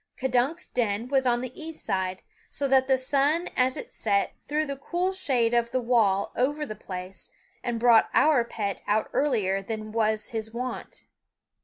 K'dunk's den was on the east side, so that the sun as it set threw the cool shade of the wall over the place and brought our pet out earlier than was his wont.